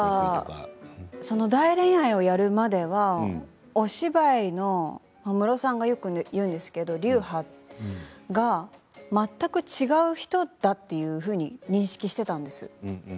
「大恋愛」をするまではお芝居はムロさんが言うんですけど流派が全く違う人だというふうに認識していたんです。